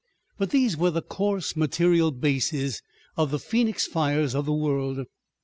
But these were the coarse material bases of the Phœnix fires of the world.